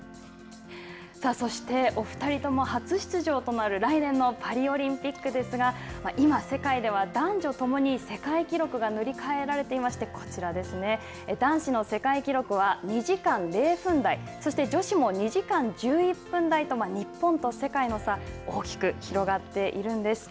さあ、そして、お二人とも初出場となる来年のパリオリンピックですが、今、世界では男女共に世界記録が塗り替えられていまして、こちらですね、男子の世界記録は２時間０分台、そして女子も２時間１１分台と、日本と世界の差、大きく広がっているんです。